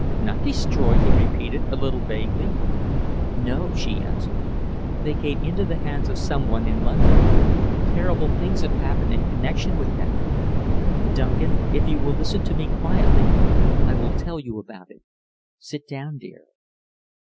"Not destroyed?" he repeated, a little vaguely. "No!" she answered. "They came into the hands of some one in London. Terrible things have happened in connexion with them. Duncan, if you will listen to me quietly, I will tell you about it. Sit down, dear."